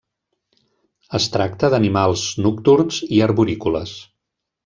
Es tracta d'animals nocturns i arborícoles.